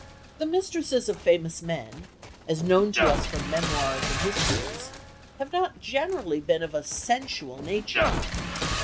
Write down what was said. The mistresses of famous men, as known to us from memoirs and histories, have not generally been of a sensual nature.